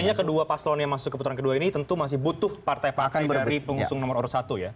artinya kedua paslon yang masuk ke putaran kedua ini tentu masih butuh partai partai dari pengusung nomor urut satu ya